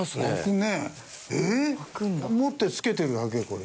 持って付けてるだけこれ。